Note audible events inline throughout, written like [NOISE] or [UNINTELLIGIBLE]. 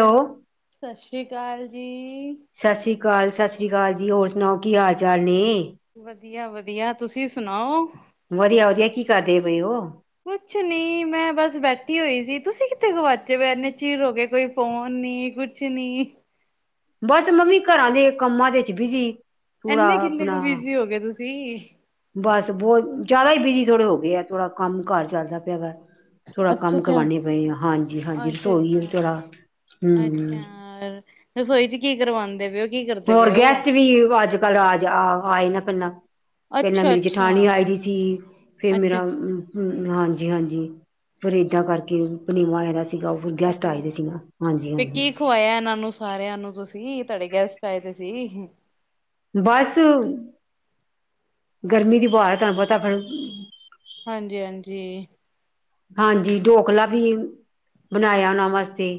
Hello ਸਤਿ ਸ਼੍ਰੀ ਅਕਾਲ ਜੀ। ਸਤਿ ਸ੍ਰੀ ਅਕਾਲ, ਸਤਿ ਸ੍ਰੀ ਅਕਾਲ ਜੀ ਹੋਰ ਸੁਣਾਓ ਕੀ ਹਾਲ ਚਾਲ ਨੇ ਵਧੀਆ, ਵਧੀਆ ਤੁਸੀਂ ਸੁਣਾਓ? ਵਧੀਆ, ਵਧੀਆ ਕੀ ਕਰਦੇ ਬਈ ਉਹ ਕੁਛ ਨੀ ਮੈਂ ਬਸ ਬੈਠੀ ਹੋਈ ਸੀ ਤੁਸੀਂ ਕਿੱਥੇ ਗਵਾਚੇ ਹੋ ਇੰਨੇ ਚਿਰ ਹੋ ਗਏ ਕੋਈ ਫੋਨ ਨੀ ਕੁਛ ਨੀ ਬਸ ਮੰਮੀ ਘਰਾਂ ਦੇ ਕੰਮਾਂ ਦੇ ਵਿਛ ਬਿਜ਼ੀ ਥੋੜਾ ਇੰਨੇ ਕਿੰਨੇ ਆਪਣਾ ਕੁ ਬਿਜ਼ੀ ਹੋ ਗਏ ਤੁਸੀਂ। ਬਸ ਬਹੁਤ ਜ਼ਿਆਦਾ ਹੀ ਬਿਜ਼ੀ ਥੋੜੇ ਹੋ ਗਏ ਆ ਥੋੜਾ ਕੰਮ ਘਰ ਚੱਲਦਾ ਪਿਆ ਵਾ ਥੋੜਾ ਅੱਛਾ ਕੰਮ ਅੱਛਾ ਕਰਵਾਉਣੇ ਪਏ ਆ ਹਾਂਜੀ, ਹਾਂਜੀ ਅੱਛਾ ਰਸੋਈ ਅੱਛਾ। ਥੋੜਾ ਹਮ ਅੱਛਾ ਰਸੋਈ ਚ ਕੀ ਕਰਵਾਉਂਦੇ ਉ। ਹੋਰ ਗੈਸਟ ਵੀ ਅੱਜ ਕੱਲ ਆਜ ਆਏ ਕਾਨੇ। ਪਹਿਲਾਂ ਅੱਛਾ ਮੇਰੀ ਅੱਛਾ ਜਠਾਣੀ ਆਈ ਦੀ ਸੀ ।ਫੇਰ ਅੱਛਾ ਮੇਰਾ ਹਾਂਜੀ- ਹਾਂਜੀ ਫਿਰੀਏਦਾਂਬਾਦ ਗਏ ਪਨੇਵਾ ਆਇਆ ਦਾ ਸੀ। ਸੀਗਾ ਉਹ ਫਿਰ ਗੈਸਟ ਏਧਰ ਆਏ ਦੇ ਨਾ ਹਾਂਜੀ ਆ। ਹਾਂਜੀ ਕੀ ਖਵਾਇਆ ਇਹਨਾਂ ਨੂੰ ਸਾਰਿਆਂ ਨੂੰ ਤੁਸੀਂ ਤੁਹਾਡੇ ਗੈਸਟ ਆਏ ਦੇ ਸੀ। ਬਸ, ਗਰਮੀ ਦੀ ਬਾਰ ਤੁਹਾਨੂੰ ਪਤਾ ਫਿਰ ਹਾਂਜੀ- ਹਾਂਜੀ। ਹਾਂਜੀ ਢੋਕਲਾ ਵੀ, ਬਣਾਇਆ ਉਹਨਾਂ ਵਾਸਤੇ।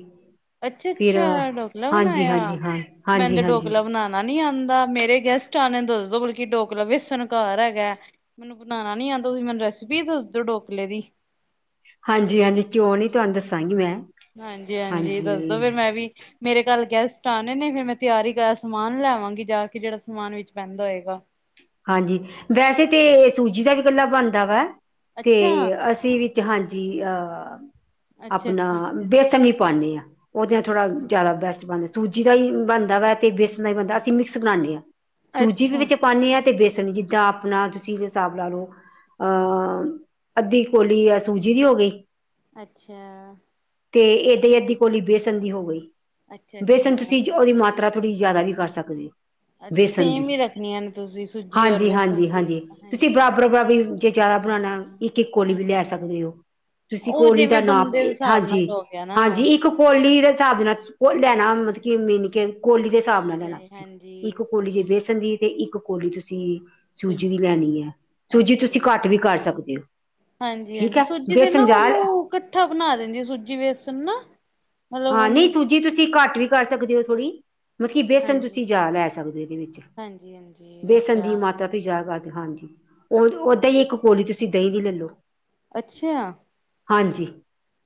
ਅੱਛਾ- ਫਿਰ ਅੱਛਾ ਡੋਕਲਾ ਹਾਂਜੀ ਬਣਾਇਆ। ਹਾਂਜੀ ਹਾਂ ਮੈਨੂੰ ਹਾਂਜੀ ਤੇ ਹਾਂਜੀ ਡੋਕਲਾ ਬਣਾਉਣਾ ਨੀ ਆ। ਦਾ ਮੇਰੇ ਗੈਸਟ ਆਣੇ ਦੱਸ ਦੋ ਬਲਕਿ ਡੋਕਲ ਬੇਸਨ ਘਰ ਹੈਗਾ। ਮੈਨੂੰ ਬਣਾਉਣਾ ਨੀ ਆਉਂਦਾ ।ਤੁਸੀਂ ਮੈਨੂੰ ਰੈਸਪੀ ਦੱਸ ਦਿਓ ਡੋਕਲੇ ਦੀ। ਹਾਂਜੀ- ਹਾਂਜੀ ਕਿਉਂ ਨੀ ਤੁਹਾਨੂੰ ਦੱਸਾਂਗੀ। ਮੈਂ ਹਾਂਜੀ- ਹਾਂਜੀ ਦੱਸਦੋ ਫਿਰ ਮੈਂ ਵੀ ਮੇਰੇ ਕੱਲ ਗੈਸਟ ਆਣੇ ਨੇ। ਫਿਰ ਮੈਂ ਤਿਆਰੀ ਕਰ ਸਮਾਨ ਲੈਵਾਂਗੀ ਜਾ ਕੇ ਜਿਹੜਾ ਸਮਾਨ ਵਿੱਚ ਪੈਂਦਾ ਹੋਏਗਾ। ਹਾਂਜੀ। ਵੈਸੇ ਤੇ ਸੂਜੀ ਦਾ ਵੀ ਇਕੱਲਾ ਬਣਦਾ ਵਾ ਤੇ ਅੱਛਾ, ਅਸੀਂ ਵੀ ਹਾਂਜੀ ।ਅਹ ਆਪਣਾ ਅੱਛਾ-ਅੱਛਾ, ਬੇਸਨ ਪਾਉਂਦੇ ਹਾਂ। ਉਹਦੇ ਥੋੜ੍ਹਾ ਜਿਆਦਾ ਬੈਸਟ ਬਣਦੇ ਸੂਜੀ ਦਾ ਹੀ ਬਣਦਾ ਵਾ ਤੇ ਬੇਸਨ ਦਾ ਵੀ ਬਣਦਾ। ਅਸੀਂ ਮਿਕਸ ਬਣਾਉਂਦੇ ਹਾਂ। ਸੂਜੀ ਵੀ ਅੱਛਾ। ਵਿੱਚ ਪਾਉਂਦੇ ਹਾਂ। ਤੇ ਬੇਸਣ ਜਿੱਦਾਂ ਆਪਣਾ ਤੁਸੀਂ ਇਹ ਹਿਸਾਬ ਲਾ ਲਓ। ਅਹ। ਅੱਧੀ ਕੋਲੀ ਆ ਸੂਜੀ ਦੀ ਹੋ ਗਈ। ਅੱਛਾ। ਤੇ ਇਹ ਦਈ ਦੀ ਕੋਲੀ ਬੇਸਨ ਦੀ ਹੋ ਗਈ। ਅੱਛਾ ਬੇਸਨ ਅੱਛਾ ਤੁਸੀਂ ਉਹਦੀ ਮਾਤਾ ਰਾ ਥੋੜੀ ਜ਼ਿਆਦਾ ਵੀ ਕਰ ਸਕਦੇ ਹੋ। ਅੱਛਾ। ਬੇਸਣ ਸੇਮ ਦੀ ਹੀ ਰੱਖਣੀਆਂ ਨੇ ਤੁਸੀਂ। ਸੂਜੀ ਔਰ ਹਾਂਜੀ- ਵੇਸਣ ਹਾਂਜੀ- ਦੀ ਹਾਂਜੀ ਤੁਸੀਂ ਹਾਂਜੀ-ਹਾਂਜੀ। ਬਰਾਬਰ- ਬਰਾਬਰ ਚ ਜ਼ਿਆਦਾ ਬਣਾਉਣਾ। ਇੱਕ- ਇੱਕ ਕੋਲੀ ਵੀ ਲੈ ਸਕਦੇ ਹੋ। ਤੁਸੀਂ ਉਹ ਕੋਹਲੀ ਦਾ ਜਿਵੇਂ ਨਾਪ ਬੰਦੇ ਦੇ ਹਿਸਾਬ ਨਾਲ ਹਾਂਜੀ- ਹੋ ਗਿਆ ਨਾ। ਹਾਂਜੀ ਇੱਕ ਕੋਹਲੀ ਦੇ ਹਿਸਾਬ ਦੇ ਨਾਲ ਕੋ ਲੈਣਾ ਮਤਲਬ ਮਿਨ ਕਿ ਕੋਲੀ ਦੇ ਹਿਸਾਬ ਨਾਲ ਲੈਣਾ। ਤੁਸੀਂ ਇੱਕ ਹਾਂਜੀ। ਕੋਲੀ ਜੇ ਬੇਸਣ ਦੀ ਤੇ ਇੱਕ ਕੋਲੀ ਤੁਸੀਂ ਸੁ ਸੂਜੀ ਵੀ ਲੈਣੀ ਹੈ। ਸੂਜੀ ਤੁਸੀਂ ਘੱਟ ਵੀ ਕਰ ਸਕਦੇ ਹੋ। ਹਾਂਜੀ- ਠੀਕ ਹਾਂਜੀ ਹੈ ਸੂਜੀ ਤੇ ਨਾ ਬੇਸਣ ਜਾ ਉਹਨੂੰ ਕੱਠਾ ਬਣਾ ਦਿੰਦੀ ਸੂਜੀ, ਬੇਸਣ ਨਾ। ਮਤਲਬ ਹਾਂ ।ਨਹੀਂ ਉਹਨੂੰ ਸੂਜੀ ਤੁਸੀਂ ਘੱਟ ਵੀ ਕਰ ਸਕਦੇ ਹੋ। ਥੋੜੀ, ਮਤਲਬ ਕੀ ਬੇਸਣ ਹਾਂਜੀ ਤੁਸੀਂ ਜਾ ਲੈ ਸਕਦੇ ਹੋ ਇਹਦੇ ਵਿੱਚ। ਹਾਂਜੀ ਹਾਂਜੀ ਬੇਸਣ ਦੀ ਅੱਛਾ। ਮਾਤਰਾ ਤੂਸੀਂ ਜਾਦਾ ਕਰਦੇ ਹਾਂਜੀ। ਉਹ ਓਦਾਂ ਹੀ ਇੱਕ ਕੋਲੀ ਤੁਸੀਂ ਦਹੀਂ ਦੀ ਲੈ ਲੋ। ਅੱਛਾ। ਹਾਂਜੀ।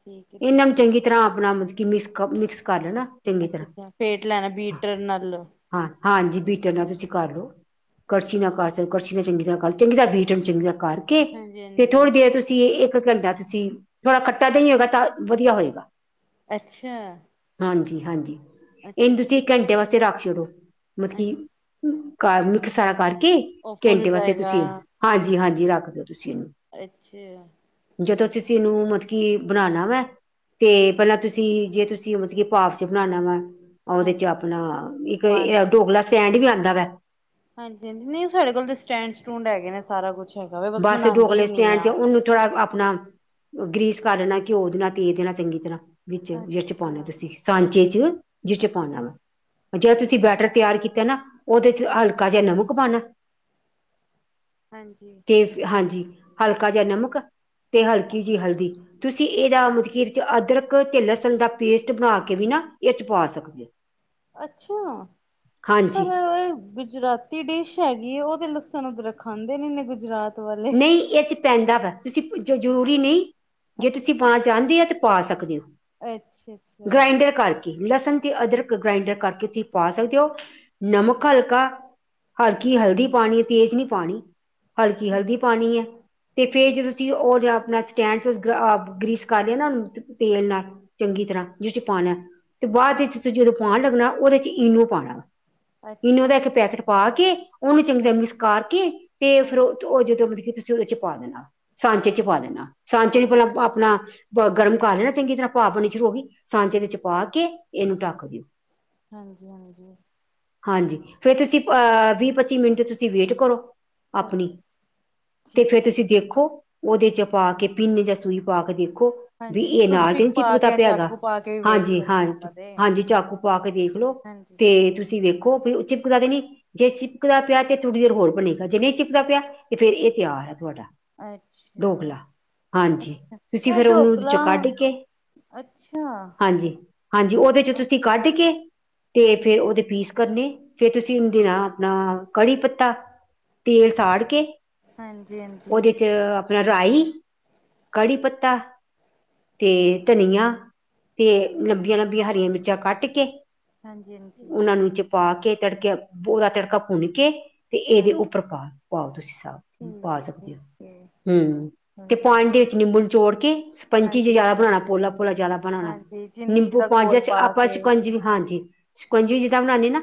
ਠੀਕ ਹੈ ਇਹਨਾਂ ਠੀਕ ਨੂੰ ਹੈ। ਚੰਗੀ ਤਰ੍ਹਾਂ ਆਪਣਾ ਮਤਲਬ ਕਿ ਮਿਕਸ ਕ ਮਿਕਸ ਕਰ ਲੈਣਾ। ਚੰਗੀ ਅੱਛਾ ਅੱਛਾ ਫੇਟ ਲੈਣਾ ਤਰ੍ਹਾਂ। ਬੀਟਰ ਨਾਲ। ਹਾਂ। ਹਾਂਜੀ ਬੀਟਰ ਨਾਲ ਤੁਸੀਂ ਕਰ ਲਓ। ਕਰਛੀ ਅੱਛਾ ਨਾ ਕਰ ਚ ਕਰਛੀ ਨਾਲ ਚੰਗੀ ਤਰ੍ਹਾਂ ਕਰ ਚੰਗੀ ਦਾ ਵੇਟਣ ਚੰਗੀ ਤ ਕਰਕੇ, ਹਾਂਜੀ ਤੇ ਹਾਂਜੀ। ਥੋੜ੍ਹੀ ਦੇਰ ਤੁਸੀਂ ਇੱਕ ਇੱਕ ਘੰਟਾ ਤੁਸੀਂ ਥੋੜ੍ਹਾ ਖੱਟਾ ਦਹੀਂ ਹੋਗਾ ਤਾਂ ਵਧੀਆ ਹੋਏਗਾ। ਅੱਛਾ। ਹਾਂਜੀ- ਹਾਂਜੀ ਅੱਛਾ। ਇਹਨੂੰ ਤੁਸੀਂ ਘੰਟੇ ਵਾਸਤੇ ਰੱਖ ਛਡੋ। ਅੱਛਾ ਮਤਲਬ ਕੀ ਸਾਰਾ ਕਰਕੇ ਉਹ ਫੁੱਲ ਘੰਟੇ ਵਾਸਤੇ ਜਾਏਗਾ ਤੁਸੀਂ ਹਾਂਜੀ- ਹਾਂਜੀ ਰੱਖ ਦਿਓ ।ਤੁਸੀਂ‍ ਅੱਛਾ। ਕਿਸੇ ਨੂੰ ਮਤਲਬ ਕੀ ਬਣਾਣਾ ਵੈਂ। ਤੇ ਪਹਿਲਾਂ ਤੁਸੀਂ, ਜੇ ਤੁਸੀਂ ਮਤਲਬ ਕਿ ਪਾਟ ਚ ਬਣਾਉਣਾ ਵਾ ਉਹਦੇ ਹਾਂਜੀ ਚ' ਆਪਣਾ ਇੱਕ ਪਾਣੀ ਡੋਕਲਾ ਸਟੈਂਡ ਵੀ ਆਉਂਦਾ ਵਾ ਹਾਂਜੀ- ਹਾਂਜੀ ਨਹੀਂ ਉਹ ਸਾਡੇ ਕੋਲ ਤਾਂ ਸਟੈਂਡ ਸਟੂਡ ਹੈਗੇ ਨੇ। ਸਾਰਾ ਕੁਛ ਹੈਗਾ ਵਾ ਬਸ ਬੱਸ ਮਨਾਉਂਦੇ ਹੀ ਡੋਕਲੇ ਨੀ ਸਟੈਂਡ ਚ' ਆ। ਉਹਨੂੰ ਥੋੜਾ ਅਪ ਆਪਣਾ ਗ੍ਰੀਸ ਕਰ ਦੇਣਾ, ਘਿਓ ਦੇਣਾ, ਤੇਲ ਦੇਣਾ ਚੰਗੀ ਤਰ੍ਹਾਂ ਵਿੱਚ ਅੱਛਾ ਜਿਚ ਪਾਉਣਾ ਤੁਸੀਂ ਸਾਂਚੇ 'ਚ ਜਿਚ ਅੱਛਾ ਪਾਉਣਾ ਵਾ ਜਿਹੜਾ ਅੱਛਾ ਤੁਸੀਂ ਬੈਟਰ ਤਿਆਰ ਕੀਤ ਨਾ ਉਹਦੇ 'ਚ ਹਾਂਜੀ ਹਲਕਾ ਜਿਹਾ ਨਮਕ ਪਾਣਾ। ਹਾਂਜੀ ਤੇ ਹਾਂਜੀ ਹਲਕਾ ਜਿਹਾ ਨਮਕ ਤੇ ਹਲਕੀ ਜਿਹੀ ਹਲਦੀ ਤੁਸੀਂ ਇਹਦਾ ਮਤਕੀਰ 'ਚ ਅਦਰਕ ਤੇ ਲੱਸਣ ਦਾ ਪੇਸਟ ਬਣਾ ਕੇ ਵੀ ਨਾ ਇਹ 'ਚ ਪਾ ਸਕਦੇ ਹੋ। ਅੱਛਾ ਪਰ ਹਾਂਜੀ ਗੁਜਰਾਤੀ ਡਿਸ਼ ਹੈਗੀ ਹੈ ਉਹ ਲੱਸਣ, ਅਦਰਕ ਖਾਂਦੇ ਨੀ ਨੇ ਗੁਜਰਾਤ ਵਾਲੇ ਨਹੀਂ ਇਹ 'ਚ‌ ਪੈਂਦਾ ਵਾ ਤੁਸੀਂ ਜ਼ਰੂਰੀ ਨਹੀਂ ਜੇ ਅੱਛਾ ਤੁਸੀਂ ਪਾਣਾ ਚਾਹੁੰਦੇ ਆ ਤਾਂ ਪਾ ਸਕਦੇ ਹੋ ਅੱਛਾ ਅੱਛਾ ਗ੍ਰਾਇੰਡਰ ਕਰਕੇ ਲੱਸਣ ਤੇ ਅਦਰਕ ਗ੍ਰਾਇਡਰ ਕਰਕੇ ਤੁਸੀਂ ਪਾ ਸਕਦੇ ਹੋ ਨਮਕ ਹਲਕਾ ਅੱਛਾ ਹਲਕੀ ਹਲਦੀ ਪਾਣੀ ਤੇਜ਼ ਨਹੀਂ ਪਾਣੀ ਹਲਕੀ ਠੀਕ ਹਲਦੀ ਪਾਣੀ ਹੈ ਤੇ ਠੀਕ ਫੇਰ ਜਦੋਂ ਤੁਸੀਂ ਉਹ ਜਾ ਆਪਣਾ ਸਟੈਂਡ 'ਚ ਗ੍ਰੀਸ ਕਰ ਲਿਆ ਨਾ ਤੇਲ ਨਾਲ ਚੰਗੀ ਤਰ੍ਹਾਂ ਜਿਚ ਪਾਣਾ ਤੇ ਬਾਅਦ ਹੈ ਵਿੱਚ ਤੁਸੀਂ ਜਦੋਂ ਪਾਉਣ ਲੱਗਣਾ ਉਹਦੇ 'ਚ ਇਨੋ ਪਾਣਾ। ਇਨੋ ਅੱਛਾ ਦਾ ਇੱਕ ਪੈਕੇਟ ਪਾ ਕੇ ਉਹਨੂੰ ਚੰਗੀ ਹਾਂ ਤਰ੍ਹਾਂ ਮਿਕਸ ਕਰਕੇ ਤੇ ਫਿਰ ਹਾਂਜੀ ਉਹ ਦੋਂ ਮਤਲਬ ਕਿ ਤੁਸੀਂ ਉਹਦੇ 'ਚ ਪਾ ਦੇਣਾ ਸਾਂਚੇ ਚ ਪਾ ਦੇਣਾ। ਸਾਂਚੇ ਨੂੰ ਪਹਿਲਾ ਆਪਣਾ ਗਰਮ ਕਰ ਲੈਣਾ ਚੰਗੀ ਤਰ੍ਹਾਂ ਭਾਫ ਬਣਣੀ ਸ਼ੂਰੂ ਹੋ ਗਈ। ਸਾਂਚੇ ਦੇ 'ਚ ਪਾ ਕੇ ਇਹ ਨੂੰ ਟੱਕ ਦਿਉ। ਹਾਂਜੀ ਹਾਂਜੀ ਹਾਂਜੀ ਫਿਰ ਤੁਸੀਂ ਅਹ ਵੀਹ -ਪੱਚੀ ਮਿੰਟ ਤੁਸੀਂ ਵੇਟ ਕਰੋ ਆਪਣੀ ਅੱਛਾ ਤੇ ਠੀਕ ਫੇਰ ਤੁਸੀਂ ਦੇਖੋ ਉਹਦੇ 'ਚ ਪਾ ਕੇ ਪਿੰਨ ਜਾਂ ਸੂਈ ਪਾ ਕੇ ਦੇਖੋ। ਦੇੋਖੋ ਵੀ ਹਾਂਜੀ ਹਾਂਜੀ ਇਹ ਨਾਲ ਤੇ ਤੁਸੀਂ ਨਹੀਂ ਪਾ ਚਿਪਕਦਾ ਕੇ ਪਿਆ ਹੈਗਾ ਚਾਕੂ ਪਾ ਕੇ ਵੀ ਵੇਖ ਹਾਂਜੀ ਸਕਦੇ ਹਾਂ ਆਪਾਂ ਤੇ ਹਾਂਜੀ ਚਾਕੂ ਪਾ ਕੇ ਦੇਖ ਦੇਖ ਲੋ ਹਾਂਜੀ ਤੇ ਤੁਸੀਂ ਵੇਖ ਦੇਖੋ ਚਿਪਕਦਾ ਤੇ ਨੀ ਜੇ ਚਿਪਕਦਾ ਪਿਆ ਤੇ ਥੋੜੀ ਦੇਰ ਹੋਰ ਬਣੇਗਾ ਜੇ ਨਹੀਂ ਚਿਪਕਦਾ ਪਿਆ। ਅਤੇ ਫਿਰ ਇਹ ਤਿਆਰ ਹੈ ਤੁਹਾਡਾ ਅੱਛਾ ਡੋਕਲਾ ਹਾਂਜੀ ਅੱਛਾ ਤੁਸੀਂ ਇਹ ਫਿਰ ਉਹਨੂੰ ਡੋਕਲਾ ਚੋਂ ਕੱਢ ਕੇ ਅੱਛਾ ਹਾਂਜੀ- ਹਾਂਜੀ ਉਹਦੇ 'ਚ ਤੁਸੀਂ ਕੱਢ ਕੇ ਤੇ ਫੇਰ ਹਾਂਜੀ, ਉਹਦੇ ਪੀਸ ਕਰਨੇ ਫੇਰ ਤੁਸੀਂ ਉਹਦੇ ਨਾਲ ਆਪਣਾ ਕੜੀ ਪੱਤਾ ਤੇਲ ਸਾੜ ਕੇ ਹਾਂਜੀ- ਹਾਂਜੀ ਉਹਦੇ ਚ ਆਪਣਾ ਰਾਈ, ਕੜੀ ਪੱਤਾ ਤੇ ਧਨੀਆ ਤੇ ਅੱ ਲੰਬੀਆਂ ਲੰਬੀਆਂ ਹਰੀਆਂ ਮਿਰਚਾਂ ਕੱਟ ਕੇ ਹਾਂਜੀ- ਹਾਂਜੀ ਉਹਨਾਂ ਨੂੰ ਚ ਪਾ ਕੇ ਤੜਕੇ ਉਹਦਾ ਤੜਕਾ ਭੁੰਨ ਕੇ ਤੇ ਹਾਂ ਇਹਦੇ ਉੱਪਰ ਪਾ ਪਾਓ ਤੁਸੀਂ ਠੀਕ ਪਾ ਹੈ, ਸਕਦੇ ਠੀਕ ਹੈ ਹੋ ਹੁੰ ਤੇ ਹੁਣ ਪਾਣੀ ਸਹੀ ਹੈ ਦੇ ਵਿੱਚ ਨਿੰਬੂ ਨਿਚੋੜ ਕੇ ਸਪੰਚੀ ਹਾਂਜੀ, ਜਜ਼ ਬਣਾਉਣਾ ਪੋਲਾ ਪੋਲਾ ਜਿਆਦਾ ਬਣਾਣਾ ਹਾਂਜੀ ਜਿੰਨੀ ਨਿੰਬੂ ਦਾ ਪਾ ਘੋਲ ਆਪਾਂ ਕੇ ਸ਼ੰਕਜਵੀ ਵੀ ਹਾਂਜੀ ਹਾਂ ਸ਼ੰਕਜਵੀ ਬਣਾਣੇ ਨਾ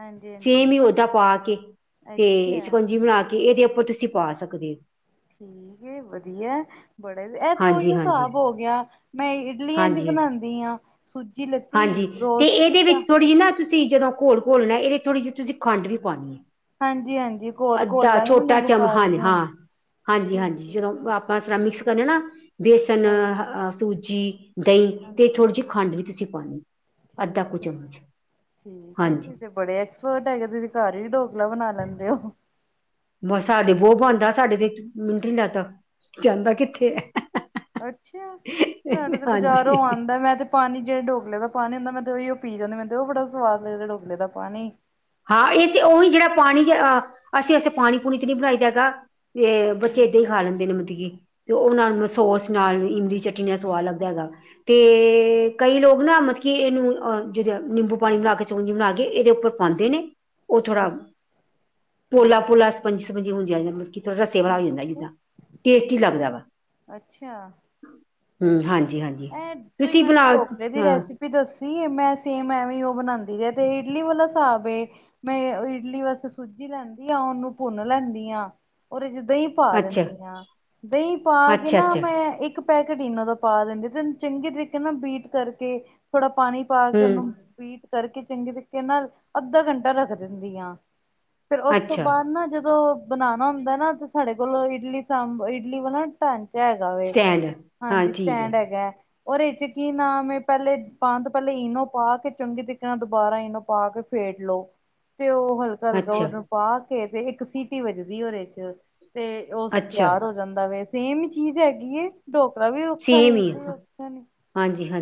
ਹਾਂਜੀ, ਹਾਂਜੀ ਸੇਮ ਹੀ ਓਦਾ ਪਾ ਕੇ ਤੇ ਅੱਛਾ ਸ਼ਿਕੰਜੀ ਬਣਾ ਕੇ ਇਹਦੇ ਉੱਪਰ ਤੁਸੀਂ ਪਾ ਸਕਦੇ। ਠੀਕ ਏ ਵਧੀਆ ਬੜੇ ਇਹ ਤੇ ਉਈਓ ਹਾਂਜੀ ਹਾਂਜੀ ਹਿਸਾਬ ਹੋ ਗਿਆ ਮੈਂ ਇਡਲੀ ਇਂਜ ਹਾਂਜੀ ਬਣਾਂਦੀ ਆ। ਹਾਂਜੀ ਤੇ ਇਹਦੇ ਵਿੱਚ ਥੋੜੀ ਜਿਹੀ ਨਾ ਤੁਸੀਂ ਤੁਸੀਂ ਜਦੋਂ ਘੋਲ ਘੋਲਣਾ ਇਹਦੇ ਥੋੜ੍ਹੀ ਜਿਹੀ ਤੁਸੀਂੰ ਖੰਡ ਵੀ ਪਾਣੀ ਏ। ਹਾਂਜੀ- ਹਾਂਜੀ ਘੋਲ- ਘੋਲ ਆਂ ਨਾ ਨਿੰਬੂ ਚਮ ਪਾ ਕੇ ਹਾਂਜੀ ਹਾਂ ਹਾਂਜੀ- ਠੀਕ ਹਾਂਜੀ ਠੀਕ ਜਦੋਂ ਹੈ। ਆਪਾਂ ਸਾਰਾ ਮਿਕਸ ਕਰਨੇ ਨਾ ਬੇਸਨ, ਹਾਂਜੀ ਸੂਜੀ ਦਹੀਂ ਤੇ ਹਾਂਜੀ ਥੋੜ੍ਹੀ ਜਿਹੀ ਖੰਡ ਵੀ ਤੁਸੀਂ ਪਾਨੀ ਏ। ਠੀਕ ਹੈ ਠੀਕ ਹਾਂਜੀ ਤੁਸੀ ਤੇ ਬੜੇ ਐਕਸਪਰਟ ਹੈਗੇ ਤੁਸੀ ਘਰ ਹੀ ਢੋਕਲਾ ਬਣਾ ਲੈਂਦੇ ਉਹ [INAUDIBLE] ਬ ਸਾਡੇ ਬਹੁਤ ਬਣਦਾ ਸਾਡੇ ਤੇ ਮਿੰਟ ਨੀ ਲਗਦਾ ਜਾਂਦਾ ਕਿੱਥੇ ਹੈ। ਅੱਛਾ ਸਾਡਾ ਤੇ ਬਾਜ਼ਾਰੋਂ ਹਾਂਜੀ ਆਂਦਾ ਮੈਂ ਤੇ ਪਾਣੀ ਜਿਹੜੇ ਢੋਕਲੇ ਦਾ ਪਾਣੀ ਹੁੰਦਾ ਮੈਂ ਤੇ ਉਹੀਓ ਪੀ ਜਾਂਦੀ ਮੈਂਨੁ ਤੇ ਉਹ ਬੜਾ ਸਵਾਦ ਲੱਗਦਾ ਢੋਕਲੇ ਦਾ ਪਾਣੀ। ਹਾਂ ਇਹ ਤੇ ਉਹੀ ਜਿਹੜਾ ਪਾਣੀ ਜ ਅ ਅਸੀਂ ਅਸ ਪਾਣੀ ਪੂਣੀ ਤੇ ਨਹੀਂ ਬਣਾਈ ਦਾ ਹੈਗਾ। ਤੇ ਬੱਚੇ ਏਦਾਂ ਹਾਂਜੀ ਹੀ ਖਾ ਲੈਂਦੇ ਨੇ ਮਤਲਬ ਕੀ ਤੇ ਉਹਨਾਂ ਨੁ ਸੋਸ ਨਾਲ, ਇਮਲੀ ਚਟ [UNINTELLIGIBLE] ਸਵਾਦ ਲੱਗਦਾ ਹੈਗਾ। ਤੇ ਕਈ ਲੋਗ ਨਾ ਮਤਲਬ ਕਿ ਇਹਨੂੰ ਜਿਦ ਨਿੰਬੂ ਪਾਣੀ ਬਣਾ ਕੇ ਚੋਗਂਜੀ ਬਣਾ ਕੇ ਇਹਦੇ ਉੱਪਰ ਪਾਂਦੇ ਨੇ ਉਹ ਥੋੜਾ ਅੱਛਾ ਪੋਲਾ ਠੀਕ ਪੋਲਾ, ਸਪੰਜੀ ਸਪੰਜੀ ਹੁੰਦੀਆਂ ਮਤਲਬ ਥੋੜਾ ਸੇਵਲਾ [UNINTELLIGIBLE] ਹੋ ਠੀਕ ਜਾਂਦਾ ਹੈ ਜਿੱਦਾਂ ਟੇਸਟੀ ਲੱਗਦਾ ਵਾ। ਅੱਛਾ ਕੋਈ ਹਮ ਨੀ, ਹਾਂਜੀ ਹਾਂਜੀ ਇਹ ਤੁਸੀਂ ਮੈਨੂੰ ਬਣਾ ਟੋਕਲੇ ਦੀ ਹਾਂ ਰੈਸਿਪੀ ਦੱਸੋ? ਮੈਂ ਸੇਮ ਐਵੇਂ ਉਹ ਬਣਾਂਦੀ ਜੇ ਤੇ ਇਡਲੀ ਵਾਲਾ ਹਿਸਾਬ ਏ ਮੈਂ ਇਡਲੀ ਬਸ ਸੂਜੀ ਲੈਂਦੀ ਆ ਉਹਨੂੰ ਭੁੰਨ ਲੈਂਦੀ ਆ ਓਹਦੇ ਚ ਦਹੀਂ ਪਾ ਅੱਛਾ ਦਿੰਦੀ ਆ, ਦਹੀਂ ਪਾ ਕੇ ਅੱਛਾ ਨਾ ਅੱਛਾ ਮੈਂ ਇੱਕ ਪੈਕੇਟ ਇਨੋ ਦਾ ਪਾ ਦਿੰਦੀ ਤੇ ਏਨੂੰ ਚੰਗੇ ਤਰੀਕੇ ਨਾਲ ਬੀਟ ਕਰਕੇ ਥੋੜਾ ਪਾਣੀ ਪਾ ਕੇ ਉਹਨੂੰ ਹਮ ਬੀਟ ਕਰਕੇ ਚੰਗੇ ਤਰੀਕੇ ਨਾਲ ਅੱਧਾ ਘੰਟਾ ਰੱਖ ਦਿੰਦੀ ਹਾਂ। ਫੇਰ ਉਸ ਤੋਂ ਅੱਛਾ ਬਾਅਦ ਨਾ ਜਦੋਂ ਬਣਾਣਾ ਹੁੰਦਾ ਨਾ ਤੇ ਸਾਡੇ ਕੋਲ ਇਡਲੀ ਸਂਬ, ਇਡਲੀ ਵਾਲਾ ਨ ਹੈਗਾ ਵੇ। ਸਟੈਂਡ ਹਾਂ ਹਾਂਜੀ, ਠੀਕ ਸਟੈਂਡ ਹੈ ਹੈਗਾ। ਔਰ ਇਹ ਚ ਕੀ ਨਾਮ ਏ ਪਹਿਲੇ ਪਾਨ ਤੋਂ ਪਹਿਲੇ ਇਨੋ ਪਾ ਕੇ ਚੰਗੇ ਤਰੀਕੇ ਨਾਲ ਦੁਬਾਰਾ ਇਨੋ ਪਾ ਕੇ ਫੇਰ ਫੇਂਟ ਲੋ ਤੇ ਉਹ ਹਲਕਾ ਹਲਕਾ ਅੱਛਾ ਉਹਨੂੰ ਪਾ ਕੇ ਤੇ ਇੱਕ ਸੀਟੀ ਵੱਜਦੀ ਉਹਦੇ ਚ। ਤੇ ਉਹ ਅੱਛਾ ਤਿਆਰ ਹੋ ਜਾਂਦਾ ਵੇ, ਸੇਮ ਈ ਚੀਜ਼ ਹੈਗੀ ਏ ਢੋਕ ਤਵੈਡਾ ਵੀ ਔਖਾ ਨੀ, ਇਵੀ ਔਖਾ ਨੀ।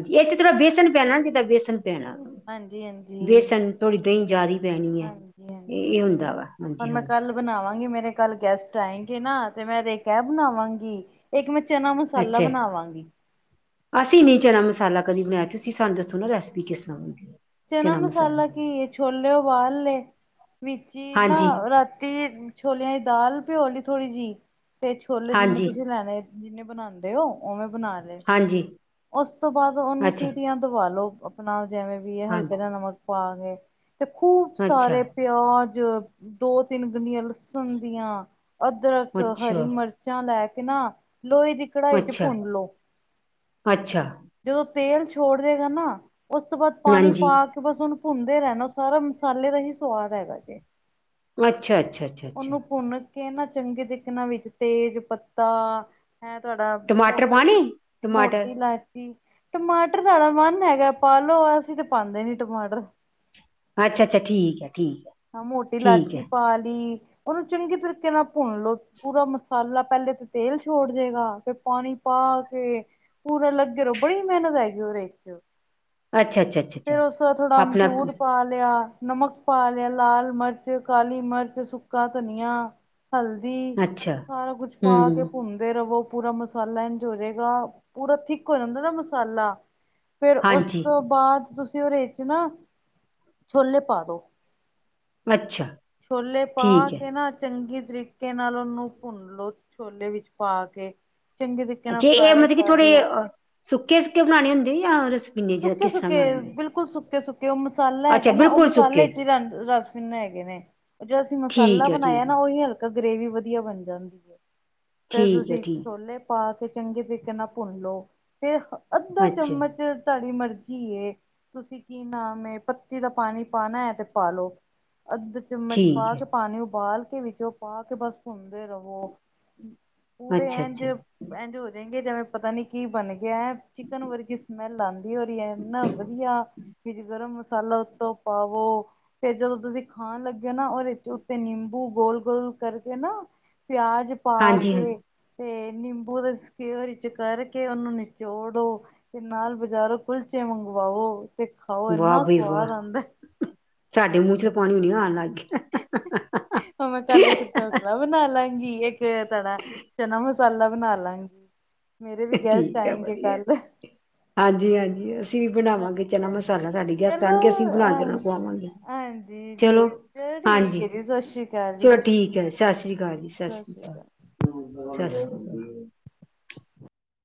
ਇੱਦੇ ਚ ਥੋੜਾ ਵੇਸਨ ਪੈਣਾ ਜਿੱਦਾਂ ਵੇਸਣ ਪੈਣਾ, ਵੇਸਨ ਥੋੜੀ ਦਹੀਂ ਜ਼ਿਆਦੀ। ਹਾਂਜੀ ਹਾਂਜੀ ਹਾਂਜੀ ਹੁਣ ਮੈਂ ਹਾਂਜੀ ਕੱਲ ਬਣਾਵਾਂਗੀ ਮੇਰੇ ਕੱਲ ਗੈਸਟ ਆਏਂਗੇ ਨਾ ਤੇ ਮੈਂ ਤੇ ਇਕ ਇਹ ਬਣਾਵਾਂਗੀ ਇੱਕ ਮੈਂ ਚਨਾ ਮਸਾਲਾ ਅੱਛਾ ਬਣਾਵਾਂਗੀ। ਅਸੀਂ ਨੀ ਚਨਾ ਮਸਾਲਾ ਕਦੀ ਬਣਾਇਆ ਤੁਸੀਂ ਸਾਨੂੰ ਦੱਸੋ ਨਾ ਰੈਸਪੀ ਕਿਸ ਤਰਾਂ ਉਹਦੀ। ਚਨਾ ਮਸਾਲਾ ਕੀ ਏ ਛੋਲੇ ਉਬਾਲ ਲੇ ਵਿਚ ਈ ਨਾ ਹਾਂਜੀ ਰਾਤੀ ਛੋਲਿਆਂ ਚ ਦਾਲ ਪਿਓਲੀ ਥੋੜ੍ਹੀ ਜਿਹੀ ਤੇ ਛੋਲੇ ਜਿਨੇ ਹਾਂਜੀ ਤੁਸੀਂ ਲੈਣੇ ਜਿਨੇ ਬਣਾਂਦੇ ਓ ਉਵੇਂ ਬਣਾ ਲਏ ਹਾਂਜੀ ਉਸ ਤੋਂ ਬਾਅਦ ਉਹਨੂੰ ਅੱਛਾ ਸੀਟੀਆਂ ਦਵਾਲੋ ਆਪਣਾ ਜੈਵੇਂ ਵੀ ਇਹ ਹਲਕੇ ਜਾ ਹਾਂਜੀ ਨਮਕ ਪਾ ਕੇ ਤੇ ਖੂਬ ਅੱਛਾ ਸਾਰੇ ਪਿਆਜ ਦੋ ਤਿੰਨ ਗੰਨੀਆਂ ਲਸਣ ਦੀਆਂ ਅਦਰਕ ਹਰੀ ਅੱਛਾ ਮਿਰਚਾਂ ਲੈ ਕੇ ਨਾ ਲੋਹੇ ਦੀ ਕੜਾਈ ਚ ਅੱਛਾ ਭੁੰਨ ਲੋ। ਅੱਛਾ। ਜਦੋਂ ਤੇਲ ਛੋੜ ਜੇਗਾ ਨਾ ਉਸ ਤੋਂ ਬਾਅਦ ਪਾਣੀ ਹਾਂਜੀ ਪਾ ਕੇ ਬਸ ਉਹਨੂੰ ਭੁੰਨਦੇ ਰਹਿਣਾ ਸਾਰਾ ਮਸਾਲੇ ਦਾ ਹੀ ਸਵਾਦ ਹੈਗਾ ਜੇ। ਅੱਛਾ ਅੱਛਾ ਅੱਛਾ ਅੱਛਾ ਕਿ ਨਾ ਚੰਗੇ ਤਰੀਕੇ ਨਾਂ ਵਿੱਚ ਤੇਜ ਪੱਤਾ ਹੈ ਤੁਹਾਡਾ ਟਮਾਟਰ ਮੋਟੀ, ਪਾਣੇ ਟਮਾਟਰ ਮੋਟੀ ਲਾ ਟਮਾਟਰ ਤੁਹਾਡਾ ਮਨ ਹੈਗਾ ਪਾਲੋ ਅਸੀਂ ਤੇ ਪਾਉਂਦੇ ਨੀ ਟਮਾਟਰ ਅੱਛਾ ਅੱਛਾ ਠੀਕ ਹੈ। ਠੀਕ ਹੈ ਹਾਂ ਮੋਟੀ ਠੀਕ ਲਾਚੀ ਹੈ ਪਾ ਲਈ ਉਹਨੂੰ ਚੰਗੇ ਤਰੀਕੇ ਨਾਲ ਭੁੰਨ ਲੋ, ਪੂਰਾ ਮਸਾਲਾ ਪਹਿਲੇ ਤੇ ਤੇਲ ਛੱਡ ਦੇਗਾ ਫਿਰ ਪਾਣੀ ਪਾ ਪਾ ਕੇ, ਪੂਰਾ ਲੱਗੇ ਰਹੋ ਬੜੀ ਮਿਹਨਤ ਹੈਗੀ ਉਹਦੇ 'ਚ ਅੱਛਾ ਅੱਛਾ ਅੱਛਾ ਫੇਰ ਅੱਛਾ ਉਸ ਤੋਂ ਬਾਅਦ ਥੋੜਾ ਆਪਣਾ ਅਮਚੂਰ ਪਾ ਲਿਆਂ। ਨਮਕ, ਪਾ ਲਿਆ ਲਾਲ ਮਿਰਚ, ਕਾਲੀ ਮਿਰਚ, ਸੁੱਕਾ ਧਨੀਆ ਹਲਦੀ, ਅੱਛਾ ਸਾਰਾ ਕੁਛ ਪਾ ਕੇ ਹੂੰ ਭੁੰਨਦੇ ਰਵੋ। ਪੂਰਾ ਮਸਾਲਾ ਇੰਝ ਹੋਜੇਗਾ, ਪੂਰਾ ਥਿੱਕ ਹੋ ਜਾਂਦਾ ਨਾ ਮਸਾਲਾ ਫਿਰ ਉਸ ਹਾਂਜੀ ਤੋਂ ਬਾਅਦ ਤੁਸੀਂ ਉਹਦੇ ਵਿੱਚ ਨਾ, ਛੋਲੇ ਪਾ ਦੋ ਅੱਛਾ ਛੋਲੇ ਪਾ ਠੀਕ ਹੈ ਕੇ ਨਾ ਚੰਗੀ ਤਰੀਕੇ ਨਾਲ ਉਹਨੂੰ ਭੁੰਨ ਲੋ, ਛੋਲੇ ਵਿੱਚ ਪਾ ਕੇ ਚੰਗੇ ਤਰੀਕੇ ਨਾਲ ਜੇ ਇਹ ਫਰਾਈ ਮਤਲਬ ਕਿ ਕਰ ਥੋੜੇ, ਲਓ ਅ ਸੁੱਕੇ ਸੁੱਕੇ ਬਣਾਉਣੇ ਹੁੰਦੇ ਜਾਂ ਰਸੀ ਮੈਨੇਜਰ ਕਿਸ ਤਰ੍ਹਾਂ ਬਣਾਣੇ ਹੁੰਦੇ ਫਿਰ ਉਹ ਮਸਾਲਾ ਅੱਛਾ ਹੈਗਾ ਨਾ ਉਹ ਬਿਲਕੁਲ ਸੁੱਕੇ ਮਸਾਲੇ 'ਚ ਹੀ ਰਸ ਰਸ-ਭਿੰਨੇ ਹੈਗੇ ਨੇ, ਜੋ ਅਸੀਂ ਮਸਾਲਾ ਠੀਕ ਹੈ ਬਣਾਇਆ ਠੀਕ ਨਾ ਹੈ ਉਹ ਉਹੀ ਹਲਕਾ ਗ੍ਰਰੇਵੀ ਵਧੀਆ ਬਣ ਜਾਂਦੀ ਹੈ, ਫੇਰ ਠੀਕ ਹੈ ਤੁਸੀਂ, ਠੀਕ ਛੋਲੇ ਪਾ ਕੇ ਚੰਗੇ ਤਰੀਕੇ ਨਾਲ ਭੁੰਨ ਲੋ, ਫਿਰ ਅੱਧਾ ਅੱਛਾ ਚਮਚ ਤੁਹਾਡੀ ਮਰਜ਼ੀ ਹੈ, ਤੁਸੀਂ ਕੀ ਨਾਮ ਪੱਤੀ ਦਾ ਪਾਣੀ ਪਾਣਾ ਹੈ ਤਾਂ ਪਾ ਲਓ। ਅੱਧ ਚਮਚ ਪਾ ਠੀਕ ਕੇ, ਹੈ ਪਾਣੀ ਉਬਾਲ ਕੇ, ਵਿੱਚੋਂ ਪਾ ਕੇ, ਬਸ ਭੁੰਨਦੇ ਰਹੋ। ਪੂਰੇ ਅੱਛਾ ਇਝ, ਅੱਛਾ ਇਝ ਹੋ ਜਾਏ ਕਿ ਜਿਵੇਂ ਪਤਾ ਨੀ ਕੀ ਬਣ ਗਿਆ ਹੈ, ਚਿਕਨ ਵਰਗੀ ਸਮੈਲ ਆਉਂਦਾ ਕਈ ਵਾਰੀ ਇਨ੍ਹਾਂ ਵਧੀਆ, ਵਿਚ ਗਰਮ ਮਸਾਲਾ ਮਸਾਲਾ ਉੱਤੋਂ ਪਾਵੋ, ਫਿਰ ਜਦੋਂ ਤੁਸੀਂ ਖਾਣ ਲੱਗੇ ਨਾ ਉਹਦੇ ਵਿਚ ਉੱਤੇ ਨਿੰਬੂ ਗੋਲ ਗੋਲ ਕਰਕੇ ਨਾ, ਪਿਆਜ ਪਾ ਹਾਂਜੀ ਕੇ, ਹਾਂਜੀ ਤੇ ਨਿੰਬੂ ਦੇ ਸਕਿਓਰ ਵਿੱਚ ਕਰਕੇ ਉਹਨੂੰ ਨਿਚੋੜੋ ਤੇ ਨਾਲ ਬਾਜ਼ਾਰੋਂ ਕੁਲਚੇ ਮੰਗਵਾਓ ਤੇ ਖਾਓ ਵਾਹ ਇੰਨਾ ਬਈ ਸਵਾਦ ਵਾਹ ਆਉਂਦਾ ਸਾਡੇ ਮੂੰਹ 'ਚ ਪਾਣੀ ਓ ਨੀ ਆਉਣ ਲੱਗ ਗਿਆ ਹਾ ਹਾ ਹੈਂ ਮੈਂ ਕੱਲ੍ਹ ਇੱਕ ਢੋਕਲਾ ਬਣਾ ਲਾਂਗੀ ਇੱਕ ਤੁਆਡਾ, ਚਨਾ ਮਸਾਲਾ ਬਣਾ ਲਾਂਗੀ, ਮੇਰੇ ਵੀ ਗੈਸਟ ਠੀਕ ਹੈ ਆਏਂਗੇ ਵਧੀਆ ਕੱਲ੍ਹ। ਹਾਂਜੀ ਹਾਂਜੀ ਅਸੀਂ ਵੀ ਬਣਾਵਾਂਗੇ ਹਾਂਜੀ, ਚਨਾ ਹਾਂਜੀ, ਮਸਾਲਾ ਸਾਡੇ ਗੈਸਟ ਚਲੋ ਆਉਣਗੇ ਅਸੀਂ ਬਣਾ ਕੇ ਅਅ, ਉਹਨਾਂ ਨੂੰ ਖਵਾਵਾਂਗੇ ਹਾਂਜੀ ਜ਼ਰੂਰ ਚਲੋ ਠੀਕ ਹੈ ਹਾਂਜੀ ਜੀ ਸਤਿ ਸ਼੍ਰੀ ਅਕਾਲ ਜੀ, ਚਲੋ ਠੀਕ ਹੈ ਸ੍ਰੀ ਅਕਾਲ ਜੀ ਸਤਿ ਸਤਿ ਸ੍ਰੀ ਸ਼੍ਰੀ ਅਕਾਲ। ਸਤਿ ਸ੍ਰੀ ਅਕਾਲ